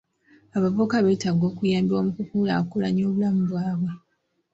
Abavubuka beetaaga okuyambibwa mu kukulaakulanya obulamu bwabwe